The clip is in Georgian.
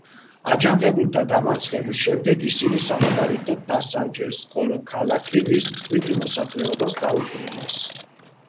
აჯანყებულთა დამარცხების შემდეგ, ისინი სამაგალითოდ დასაჯეს, ხოლო ქალაქი მის მკვიდრ მოსახლეობას დაუბრუნეს.